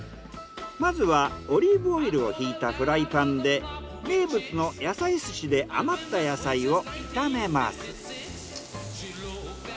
まずはオリーブオイルをひいたフライパンで名物の野菜寿司で余った野菜を炒めます。